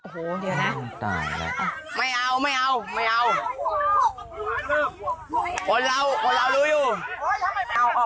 ก็เลยไม่เอานะคนอื่นไม่เอาออกไป